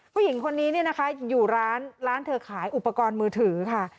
ผู้หญิงคนนี้เนี่ยนะคะอยู่ร้านร้านเธอขายอุปกรณ์มือถือค่ะ